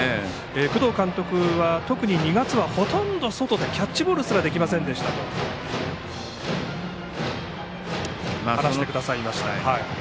工藤監督は特に２月はほとんど外でキャッチボールすらできませんでしたと話していました。